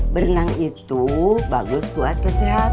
berenang itu bagus buat kesehatan